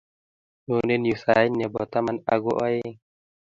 Nyone yuu sait nebo taman ago aeng